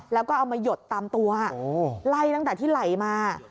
แล้วก็เอามาหยดตามตัวไล่ตั้งแต่ที่ไหลมา